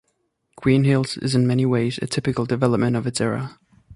Green Hills is in many ways a typical development of its era.